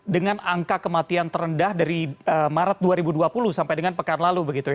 dengan angka kematian terendah dari maret dua ribu dua puluh sampai dengan pekan lalu